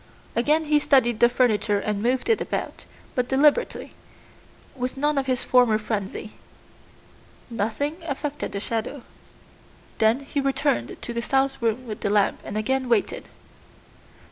Again he studied the furniture and moved it about, but deliberately, with none of his former frenzy. Nothing affected the shadow. Then he returned to the south room with the lamp and again waited.